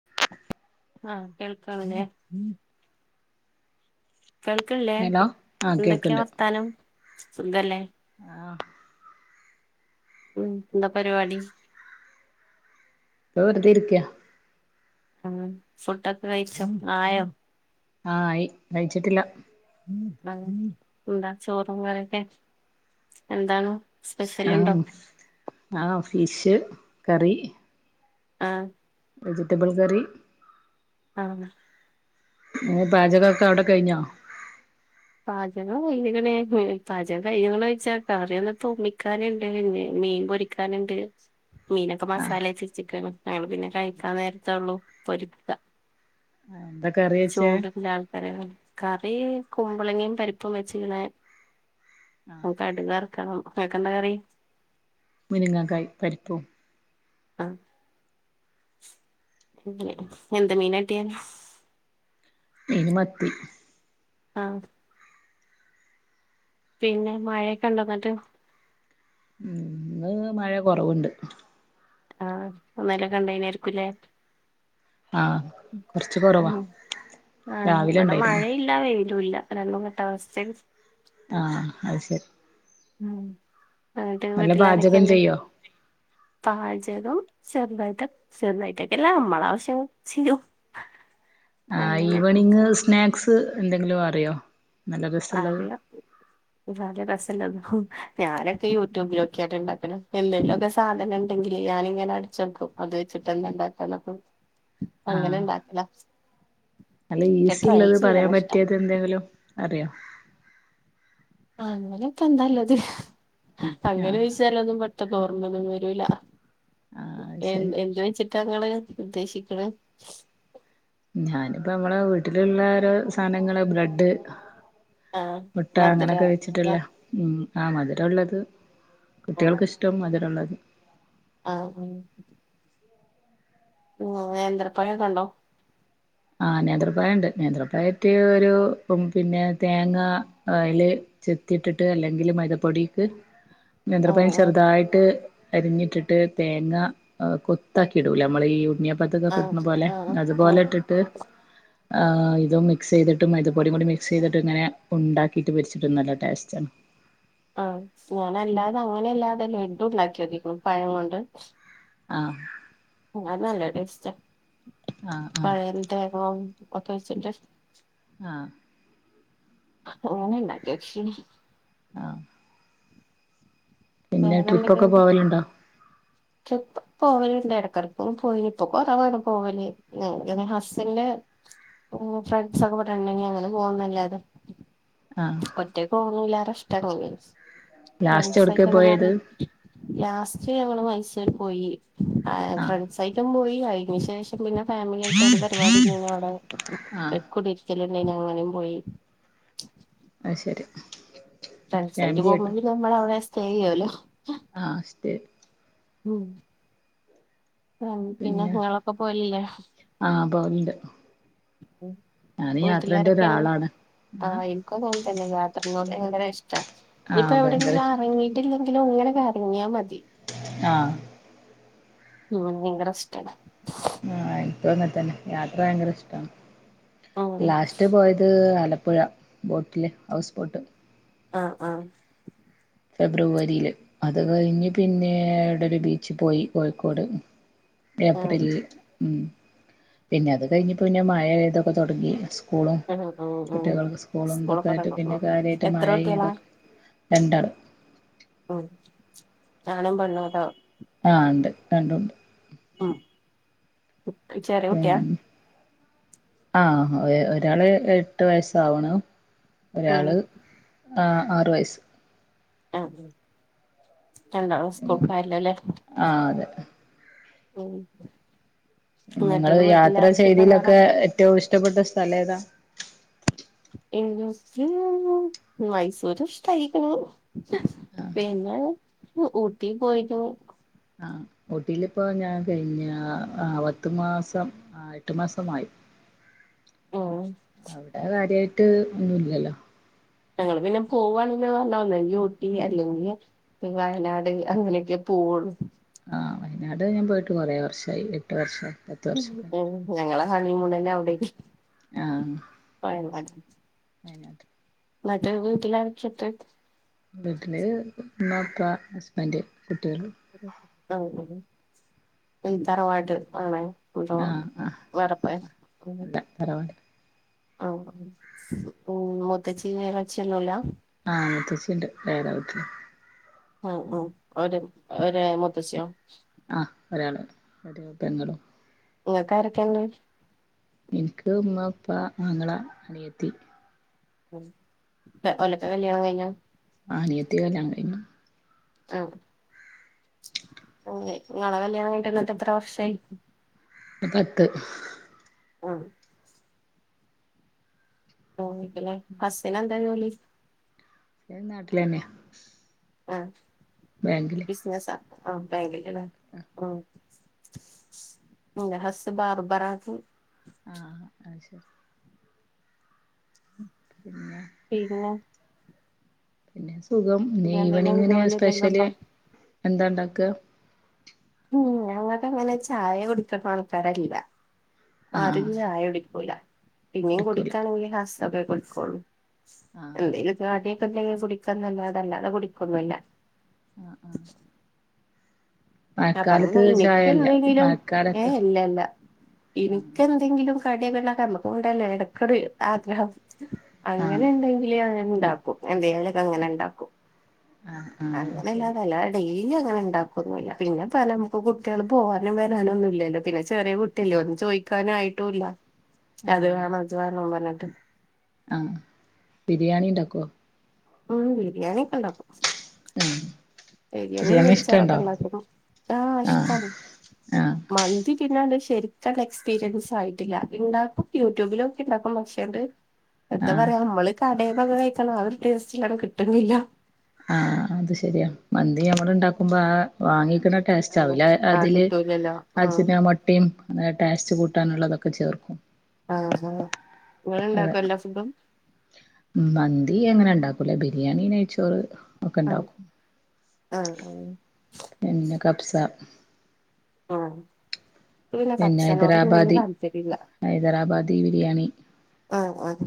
[inaudible] ആഹ കേൾക്കാവിനെ കേൾക്ക് ല്ലേ ഹലോ ആ എന്തെക്കെ കേൾക്കണ്ട് വർത്താനം സുഖല്ലേ? ആ ഉം എന്താ പരിപാടി. വെറുതേ ഇരിക്ക. ആ ഫുഡൊക്കെ കഴിച്ചോ? ആയോ? ആ ആയി കഴിച്ചിട്ടില്ല. എന്താ ചോറും കറിയൊക്കെ എന്താണ്? സ്പെഷ്യൽ ആ ഉണ്ടോ ആ ഫിഷ് കറി. ആ വെജ്റ്റബിൾ കറി. ആ ഓ പാചകക്കെ അവിടെ കഴിഞ്ഞോ. പാചകം കയിഞ്ഞ് ക്ണ് പാചക കഴിഞ്ഞ് ണേ ചോയിച്ചാ കറി ഒന്ന് തൂമിക്കാന്ണ്ട് ഞ്ഞ് മീൻ പൊരിക്കാന്ണ്ട്. മീനൊക്കെ ആ മസാലേ ച്ച് ച്ച ക്കാണ് ഞങ്ങള് പിന്നെ കഴിക്കാൻ നേരത്തേള്ളൂ പൊരിക്കാ എന്താ കറി വെച്ചേ ചൂട് ന്റെ ആൾക്കാര കറി കുമ്പളങ്ങയും പരിപ്പും വെച്ച്ക്കണ് ആ അഹ് കട് ക ർക്ക ണ്ണം ഇങ്ങൾക്കെന്താ കറി? മുരിങ്ങ കായ് പരിപ്പും. ആ. എന്ത് മീന കിട്ടിയേ? മീന് മത്തി. ആ. പിന്നെ മഴയൊക്കെ ണ്ടോ ന്നട്ട്? ഉം ഇന്ന് മഴ കുറവ്ണ്ട്. ആ ഇന്നലെ കണ്ടേന് ആരിക്കൂലേ? ആ കുറച്ച് കുറവാ ഉം ആ രാവിലെ ഇവിടെ ഉണ്ടായിരുന്നു മഴയില്ല വെയ്ലും ല്ല രണ്ടും കെട്ടഅവസ്ഥ ആ അഹ് ശരി. ഉം എന്നിട്ട് നല്ല പാചകം വീട്ടിലാരൊക്കെണ്ട് ചെയ്യോ പാചകം ചെറുതായിട്ടെക്കെ ചെറുതായിട്ടക്കെല്ല നമ്മളാവശ്യങ്ങൾ ചെയ്യും. ആ അങ്ങനെ ഈവനിങ് സ്നാക്സ് എന്തെങ്കിലും അറിയോ? നല്ല രസമുള്ളത് അറിയാ [unintelligible] രസല്ലെന്നും ഞാനൊക്കെ യൂട്യൂബിലൊക്കിയാട്ടെ ഇണ്ടാക്ക്ണ എന്തെങ്കിലുക്കെ സാധനം ണ്ടെങ്കില് ഞാൻ ഇങ്ങനെ അട് ചോക്കും. ഇത് വെച്ചിട്ട് എന്താഇണ്ടാക്കന്നക്കെ ആ അങ്ങനെ ണ്ടാക്കലാ നല്ല ഈസി ള്ളത് പറാൻപറ്റിയത് എന്തെങ്കിലും അറിയോ? അങ്ങനെ ഇപ്പ എന്താ ള്ളത് അങ്ങനെ ആഹ് ചോയിച്ചാൽ ഒന്നും ക്കെ ഓർമ്മൊന്നും വരൂല ആഹ് എ ശരി എന്ത് ട്ടാങ്ങള് ഉദ്ദേശിക്ക് ണേ ഞാനിപ്പോ നമ്മളെ വീട്ടിലുള്ള ര് സാനങ്ങള് ബ്രെഡ് ആഹ് മുട്ട മധുര അങ്ങനൊക്കെ ല്ലെ വെച്ചിട്ടുള്ളേ ഉം. ആ മധുരമുള്ളത് കുട്ടികൾക്കിഷ്ടം മധുരമുള്ളത് ആ ആ. ഉവ്വ നേന്ത്ര പഴക്കെ ണ്ടോ? ആ നേന്ത്രപ്പഴണ്ട് നേന്ത്രപ്പായട്ട് ഒരു പിന്നെ തേങ്ങ ഓയല് ചെത്തിട്ടിട്ട് അല്ലെങ്കില് മൈദപ്പൊടിക്ക് നേന്ത്ര ആഹ് പയം ചെറുതായിട്ട് അരിഞ്ഞിട്ടിട്ട് തേങ്ങ കൊത്താക്കി ഇടൂല നമ്മള ഈ ഉണ്ണി പ്പതിന് ക്കെ ഇടുന്ന ആഹ് പോലെ ആഹ് ആഹ് അതുപോലെ ഇട്ടിട്ട് ഇത് മിക്സ് ചെയ്തിട്ടും മൈദപ്പൊടി കൂടി മിക്സ് ചെയ്തിട്ട് ഇങ്ങനെ ഉണ്ടാക്കിട്ട് പൊരിച്ചിട്ട് നല്ല ടേസ്റ്റ് ആണ്. ആ ഞാനല്ലാതെ അങ്ങനെയല്ലാതെ ലഡ്ഡു ണ്ടാക്കി നോക്കിക്ക്ണ് പഴം കൊണ്ട്. ആ. അത് നല്ല ടേസ്റ്റിയ ആഹ് ആഹ് പഴ [unintelligible] ആ. [unintelligible] ആ. പിന്നെ ട്രിപ്പ് ഒക്കെ വേറെന്തൊക്കെണ്ട് പോവലുണ്ടോ? ട്രിപ്പ് പോവലിണ്ട് ഇടക്കിടക്കും പോയി ഇപ്പൊ കുറവാണ് പോവല് ഞെ ഹസ്സന്റെ ഉം ഫ്രെണ്ട്സ് ഒക്കെ ഇവിടുണ്ടെങ്കി അങ്ങനെ പോവും എന്നല്ലാതെ ആഹ് ഒറ്റക്ക് പോന്നില്ലാര ഇഷ്ട ലാസ്റ്റ് എടുക്ക [unintelligible] ലാസ്റ്റ് ഞമ്മൾ മൈസൂര് പോയി ആ ആഹ് ഫ്രണ്ട്സായിട്ടും പോയി അയിന് ശേഷം പിന്നെ ഫാമിലിയായിട്ടൊരു പരിപാടി പിന്നെ അവിട ആഹ് ഒരു കുടീരിക്കല് അയിന് അങ്ങനെയും പോയി അ ശെരി ഫ്രണ്ട്സായിട്ട് പോകുമ്പോ പിന്ന നമ്മളഅവിടെ സ്റ്റേ ചെയ്യുഅല്ലോ ആ സ്റ്റെ ഉം അ പിന്നെ നിങ്ങളൊക്കെ പോവലില്ലേ [unintelligible] മ് ഞാന് യാത്രേന്റെ വീട്ടിലാരൊക്കെയാണ് ഒരാളാണ് ആ ആഹ് എനിക്കോ തോന്ന പിന്ന യാത്രന്നോട് ഭയങ്കര ഇഷ്ട ഇനിയിപ്പോ ആഹ് ഭയങ്കര എവിടെങ്കിലും ഇഷ് എറങ്ങിയിട്ടില്ലെങ്കിലും ഇങ്ങനെക്കെറങ്ങിയാ മതി ആ ഉം നിങ്ങടഷ്റ്റാണ് ആ എനിക്കു അങ്ങനെ തന്നെ യാത്ര ഭയങ്കര ഇഷ്ടാണ് ഉം ലാസ്റ്റ് പോയത് ആലപ്പുഴ ബോട്ടില് ഹൗസ് ബോട്ട് അ അ ഫെബ്രുവരിയില് അത് കഴിഞ്ഞ് പിന്നെഏ ഈടെ ഒരു ബീച്ചി പോയി കോഴിക്കോട് ആഹ് ഏപ്രിൽ ഉം പിന്നെ അത് കഴിഞ്ഞപ്പോ പിന്നെ മഴയിതൊക്കെ തുടങ്ങി സ് സ്കൂളും ഉം ഉം ഉം കുട്ടികൾക്ക് സ്കൂളും ഇതൊക്കെ സ്കൂളൊക്കെ ആയിട്ട് പിന്നെ തൊറക്കും കാര്യായിട്ട് എത്ര കുട്ടികളാ മഴയിതൊക്കെ രണ്ടാള് ഉം ആണും പെണ്ണും ആ ഉണ്ട് രണ്ടു ഉണ്ട് ഉം ചെറിയ കുട്ടിയ പിന്നെ ആ ഒരഒരാള് എട്ടു വയസ്സാവണു ഉം ഒരാള് അആറു വയസ് ആ രണ്ടാളും സ്കൂ [unintelligible] ആ അതെ ഉം എന്നിട്ട് നിങ്ങള് യാത്ര വീട്ടിലാരൊക്കെണ്ട് വേറെ ചെയ്തിയിലൊക്കെ ഏറ്റവും ഇഷ്ടപ്പെട്ട സ്ഥലം ഏതാ എനിക്ക് മൈസൂര് ഇഷ്ടായിക്ക്ണു പിന്നെ ഊട്ടി പോയിക്ക്ണു ഊട്ടിയിലിപ്പോ ഞാൻ കഴിഞ്ഞാ അ പത്ത് മാസം അ എട്ടു മാസമായി [inaudible] ഉം അവിടെ കാര്യായിട്ട് ഒന്നുല്ലല്ലോ ഞങ്ങള് പിന്നെ പോവാണെന്ന് പറഞ്ഞന്ന ഊട്ടി അല്ലെങ്കിൽ വയനാട് അങ്ങനെയൊക്കെ പോ ഓള് ആ വയനാട് ഞാൻ പോയിട്ട് കുറേ വർഷായി എട്ട് വർഷായി അ മ് ഞങ്ങള ഹണിമൂണേന്നെ അവിടേയന് ആഹ് അത് ശരി വയനാട് [unintelligible] എല്ലാരും [unintelligible] വീട്ടില് ഉമ്മ ഉപ്പ ഹസ്ബൻഡ് കുട്ടികള് [unintelligible] ആ പിന്നെ തറവാട്ട് ആണേ ആഹ് ആഹ് വേറെ പോയാ [unintelligible] അല്ല തറവാട് ആ ഉം മുത്തച്ചി [unintelligible] ല ആഹ മുത്തച്ചിണ്ട് വേറെ വീട്ടില അ അ ഒര ഒരെ മുത്തശ്യോ ആഹ് ഒരാള് ഒര് പെങ്ങളും നിങ്ങക്കാരൊക്കെ ഇണ്ട് എനിക്ക് ഉമ്മഉപ്പ ആങ്ങളാ അനിയത്തി മ് പെ ഓലക്കെ കല്യാണം കഴിഞ്ഞ ആ അനിയത്തി കല്യാണം കഴിഞ്ഞു അ അങ്ങനെ നിങ്ങളെ കല്യാണംകഴിഞ്ഞിട്ടിന്നെക്കെത്ര വർഷായി പത്ത് ആ ക്ക്‌ലേ ഹസ്സിനെന്താ ജോലി നാട്ടിലെന്നെയാ ആ ബാങ്കില് ബിസിനസാ ആ ബാങ്കില് ലേ ആ എന്റെ ഹസ്സ് ബാർബറാന്ന് ആഹ് അത്ശെരി പിന്നെ പിന്നെ പിന്നെ സുഖം പിന്നെ എന്തെങ്കിലും ഇന്നീവനിങ്ങിന് ജോലി എന്തെങ്കിലും സ്പെഷ്യല് ഉണ്ടോ എന്താണ്ടാക്ക്അ ഉം ഞങ്ങക്കങ്ങനെ ചായ കുടുക്കുന്നാൾക്കാരല്ല ആഹ് ആരും ചായ കുടിക്കൂല പിന്നെയും എടുക്കൂല കുടിക്കാണെങ്കിൽ ഹസ്സൊക്കേ കുടിക്കൂളൂ ആഹ് എന്തേലൊക്കാട്ടി ഇപ്പെന്തെങ്കി കുടിക്കണന്നല്ലാതെ അല്ലാതെ കുടിക്കൊന്നുല്ല ആഹ് ആഹ് അപ്പങ്ങനെ മഴക്കാലത്ത് ചായയല്ല എനിക്കെന്തെങ്കിലും ഏ മഴക്കാലത്ത് ഇല്ലല്ല ആഹ് എനിക്കെന്തെങ്കിലും കടിയൊക്ക്ണ്ടാക്കാ നമക്കുണ്ടല്ലോ എടക്കൊരു ആഗ്രഹം ആഹ് അങ്ങന്ണ്ടെങ്കില് ണ്ടാക്കും എന്തെങ്കിലെക്കങ്ങന്ണ്ടാക്കും ആഹ് ആഹ് അത് ശരി അങ്ങനല്ലാന്നല്ല ഡെയ്ലി ലി അങ്ങന്ണ്ടാക്കൊന്നുല്ല പിന്നെ പല നമുക്ക് കുട്ടികള് പോകാനും വരാനൊന്നുല്ലല്ലോ പിന്നെ ചെറിയ കുട്ടിയല്ലെ ഓൻ ചോയിക്കാനുആയിട്ടുല്ല അത് ആഹ് വേണം ഇത് ശരി വേണം പറഞ്ഞിട്ട് ആഹ് ബിരിയാണി ഇണ്ടാക്കുവോ ഉം ബിരിയാണിയൊക്ക്ണ്ടാക്കും ഉം ബിരിയാണിയും നെയ്ച്ചോറൊക്ക്ണ്ടാക്കും ആഹ് ഇഷ്ടാണ് ആഹ് മന്തി പിന്നങ്ങ്ണ്ടിഷ് ശെരിക്കണ്ടെക്സ്പീരിയൻസായിട്ടില്ല ഇണ്ടാക്കും യൂട്യൂബിലോക്കിയ്ണ്ടാക്കും പക്ഷേണ്ട് എന്താ ആഹ് പറയാ നമ്മള് കടയിന്നൊക്കെ കഴിക്കണ ആ ഒരു ടേസ്റ്റിലങ്ങ് കിട്ട്ണില്ല ആഹ് അത്ശെരിയാ മന്തി നമ്മള്ണ്ടാക്കുമ്പൊ ആ വാങ്ങി ക്ക്‌ണ ആഹ് ടേസ്റ്റാവില്ല ആഹ് അതില് കിട്ടൂലല്ലോ ആഹ് അജ്നമോട്ടയും അങ്ങനെ ടേസ്റ്റ് കൂട്ടാനുള്ളതൊക്കെ ചേർക്കും ആഹാ അതെ ഇങ്ങള്ണ്ടാക്കോ എല്ലാ ഫുഡും ന്തി അങ്ങന്ണ്ടാക്കൂല ബിരിയാണി നെയ്ച്ചോറ് ഒക്ക്‌ണ്ടാക്കും ഹ്മ് പിന്നെ കബ്സ ആഹ് പിന്നെ കബ്സനോടൊന്നും വല്യ താല്പര്യില്ല ഹൈദരാബാദി ബിരിയാണി ആഹ് ആഹ്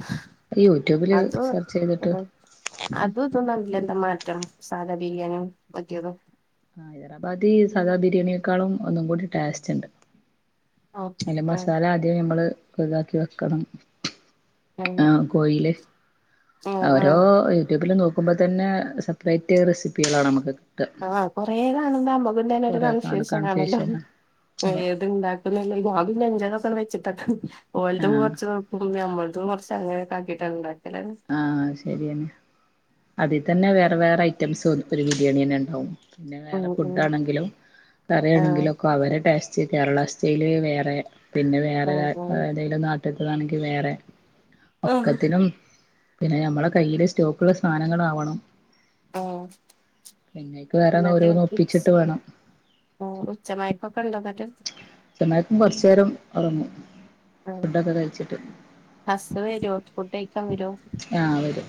യൂട്യൂബില് സെർച്ച് ചെയ്തിട്ട് അതും അതുഇതും തമ്മി ല്ലെന്താ മാറ്റം സാദാ ബിരിയാണിയും മറ്റേതും ഹൈദരാബാദി സാദാ ബിരിയാണിയെക്കാളും ഒന്നുംകൂടി ടേസ്റ്റുണ്ട് ആഹ് അയ്ന് മസാല ആദ്യം നമ്മള് ഒക്ക്‌താക്കി വെക്കണം ആഹ് കോയീല് ആഹ് അവരോ ആഹ് യൂട്യൂബില് നോ ക്കുമ്പൊതന്നെ സപ്രേറ്റ് റെസിപ്പികളാണമക്ക് ആഹ് കൊറേ കാണമ്പൊ നമ്ക്കുംതന്നൊരു കൊറെ കാണ് കൺഫ്യൂഷൻ കാണല്ലോ കൺഫ്യൂഷനാ അതെ ഏത്ണ്ടാക്കുന്നത് ആദ്യം ഇൻ്റത് വച്ചട്ടൊക്കെ ഓലതും ആഹ് കൊറച്ച് നോക്കും നമ്മള് അതും കൊറച്ചങ്ങനെയൊക്കാക്കിട്ടാങ്ങ്ണ്ട് ആഹ് ശെരിയെന്നെ അതിത്തന്നെ വേറെ വേറെ ഐറ്റംസ് ഒരു ബിരിയാണിയെന്ന്ണ്ടാവും പിന്നെ ഉം വേറെ ഉം ഫുഡാണെങ്കിലും ആഹ് കറിയാണെങ്കിലൊക്കവരെ ടേസ്റ്റ് കേരളാസ്റ്റെയില് വേറെ പിന്നെ വേറെ രാ ആഹ് ആഹ് ഏതെലും നാട്ടിത്തെതാണെങ്കി വേറെ ആഹ് ഒക്കത്തിനും പിന്നെ നമ്മളെ കയ്യില് സ്റ്റോക്കുള്ള സാനങ്ങളാവണം ആഹ് വേറെ ഇന്നത്തെ ഓരോന്ന് കിച്ച് ഒപ്പിച്ചിട്ട് വേണം ഉച്ചമായകം ഒകെ ഉണ്ടോ [unintelligible] മയക്കം. കൊറച്ച് നേരം ഒറങ്ങും ആ ഹസ് വരുമോ ഫുഡ് കഴിക്കാൻ വരോ ആ വരും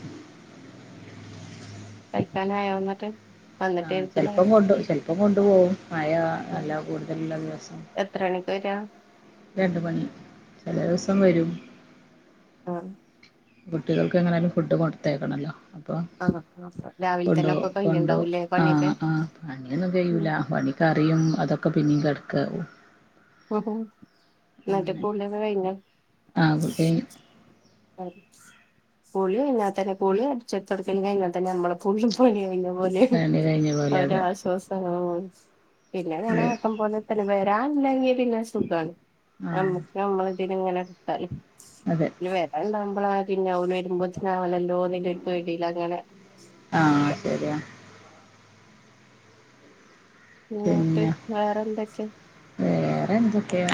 കഴിക്കാൻ ആയോ ഇന്നട്ട് ആ ചെലപ്പം കൊണ്ട് ചെിലപ്പം കൊണ്ടു പോകും മഴ ഉം നല്ല കൂടുതലുള്ള ദിവസം എത്ര മണിക്ക് വരാ രണ്ട് മണി ചില ദിവസം വരും ഉം കുട്ടികൾക്ക് എങ്ങനൊലും ഫുഡ് കൊടുത്തേക്കണല്ലോ അപ്പോ ആഹ് ആഹ് രാവിലെ തന്നെ കൊണ്ടോവും ഒക്കെ കൊണ്ടോവും കയ്യുണ്ടാവൂല്ലേ ആ പണിയൊക്കെ ആ അങ്ങനെ ഒന്നും ഉം കഴിയുലാ പണി കറിയും അതൊക്കെ പിന്നെയും കെട്ക്കാവും ഉം എന്നിട്ട് കുളി ഒകെ കഴിഞ്ഞോ ആ കുളി കഴിഞ്ഞു കുളികഴിഞ്ഞൽ തന്നെ കുളി അടിച്ച് ഒരി തൊടക്കൽ കഴിഞാ തന്നെ കഴിഞാ തന്നെ നമ്മളെ ഫുൾ പണി കഴിഞ്ഞു പോലെ പണി കഴിഞ്ഞ പോലെ ഒരു അതെ അശ്വാസ പിന്നെ ഞാൻ ആക്കം പോലെ വരാല്ലെങ്കിൽ പിന്നെ സുഖമാണ് ആഹ് നമ്മുക്ക് നമ്മള ഇതി ഇങ്ങനെ ഇട്ടാല് അതെ വേരാൻ ഉണ്ടാവുമ്പോള പിന്നെ അവര് വരുമ്പോതിന് അവണല്ലോ തോണിട്ട് ഒരു പോടിയിൽ അങ്ങനെ ആഹ് നിക്ക ശരിയാ ഇന്നിട്ട് പിന്നെ വേറെ എന്തെക്കൊ വെറെ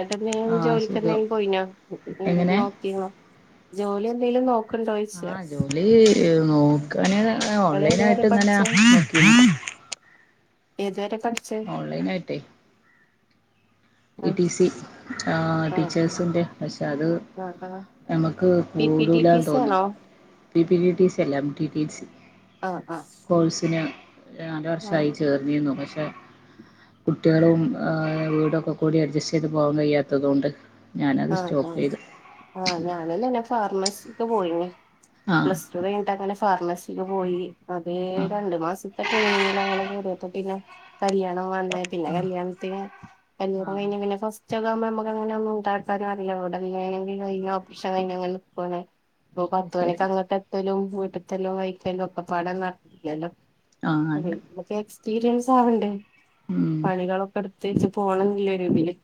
എട്ടൻ എന്തെങ്കിലുംജോലിക്ക് എന്തെ പോയിനോ എങ്ങനെ നോക്കി രുന്നോ ജോലി എന്തെലും നോക്കോ ആഹ് ജോലി നോക്കാൻ നിങ്ങള് ഓൺലൈൻ ഏതുവരെ ആയിട്ട് ഇങ്ങനെ പഠിച്ചേ നോക്കിനി എത് വരെ ഓൺലൈൻ ആയിട്ടെ ടി ആ ടിസി ആ ടീച്ചേഴ്സിന്റെ പക്ഷെ അത് ആ ആ നമുക്ക് പി പി ടി ടി കൂടുലാന്ന് സി തോന്നുന്നു ആണോ പി പിടി സി എല്ല ടി ടി ആ ആ സികോഴ്സിന് നാല് ആ വർഷമായി ചേർന്നിരുന്നു പക്ഷെ കുട്ടികളുംവീടൊക്കെ കൂടി അഡ്ജസ്റ്റ് ചെയ്ത് പോകാൻ കഴിയാത്തത്കൊണ്ട് ആഹ് ആഹ് ആഹ് ഞാൻ അങ്ങനെ ഫാർമസിക്ക് പോയിരുന്നു ആഹ് പ്ലസ് ടു കഴിഞ്ഞിട്ട് അങ്ങനെ ഫാർമസി ക്ക് പോയി അത് ആഹ് രണ്ടു മാസത്തെ ട്രെയിനിങ്ങില അങ്ങനൊക്കെറിയത്തോ പിന്നെ കല്യാണം വന്ന പിന്നെ ആഹ് കല്യാണത്തിന് കല്യാണം ആഹ് കഴിഞ്ഞ പിന്നെ ഫസ്റ്റ് ഒക്കെകുമ്പോ നമുക്ക്ങ്ങനെ സ്ഥലംഅറിയാം അവിടെങ്കിലും ഒപ്ഷൻ കഴിഞ്ഞ്നിൽക്കല്ലേ ഇപ്പൊ അത് ശരി പത്ത്മണിക്ക് അങ്ങട്ട് എത്തലും വീട്ടത്തെല്ലോ വഴിക്കലും ഒക്കെ ഒക്ക പാടെനടത്തില്ലോ ആഹ് അല്ല അതെഎക്സ്പീരിയൻസ് ആവണ്ടേ ഉം പണികളൊക്കെ എടു പ്രത്യേച്ച് പോണം എന്നരിഇതില്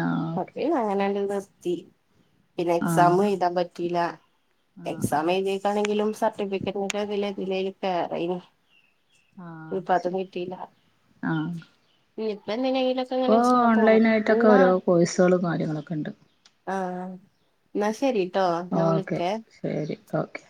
ആഹ ഓക്കെ അങ്ങനെല്ല നിർതി പിന്നെ ആഹ് എക്സാാം എഴുതാൻ പറ്റി ലാ ആഹ് എക്സാം ആഹ് എഴുതിക്കാണെങ്കിലും സർട്ടിഫിക്കറ്റതില് എലും കോറായിരുന്നു ആഹ് അത് ഇപ്പത്തും ശരി കിട്ടില്ല ഇപ്പ എന്തെ നെങ്കിലു ഇപ്പൊ ഓൺലൈൻ ആയിട്ടൊക്കെ ഓരോ കോഴസകും കാര്യങ്ങളൊക്കെ ഉണ്ട് ആഹ എന്നാ ശരിട്ടോ ഞാൻ വിളി ഓക്കെ കൊ ശരി ഓക്കെ